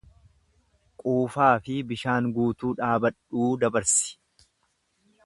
Quufaafi bishaan guutuu dhaabadhuu dabarsi.